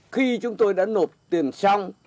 khi chúng tôi đã nộp tiền xong